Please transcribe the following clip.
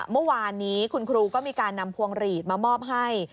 เมื่อวานนี้คุณครูก็มีการนำพวงหลีดมามอบให้